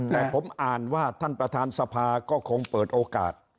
แต่ผมอ่านว่าท่านประธานสภาก็คงเปิดโอกาส